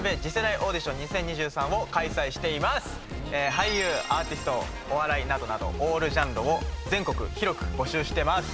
俳優アーティストお笑いなどなどオールジャンルを全国広く募集してます。